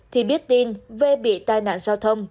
thì biết tin vê bị tài nạn giao thông